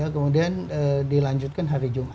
kemudian dilanjutkan hari jumat